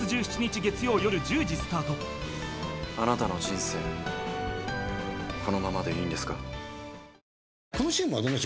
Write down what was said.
「あなたの人生」「このままでいいんですか？」